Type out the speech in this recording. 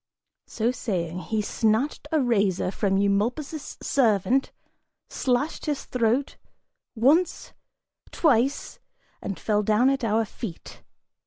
So saying, he snatched a razor from Eumolpus' servant, slashed his throat, once, twice, and fell down at our feet!